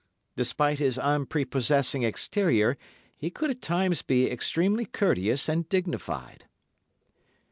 Despite his unprepossessing exterior he could at times be extremely courteous and dignified.